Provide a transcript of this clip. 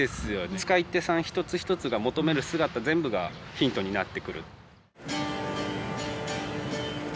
使い手さん一つ一つが求める姿全部がヒントになってくる。